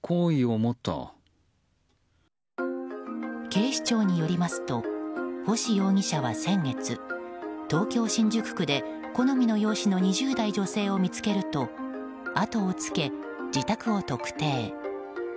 警視庁によりますと星容疑者は先月東京・新宿区で好みの容姿の２０代女性を見つけると後をつけ、自宅を特定。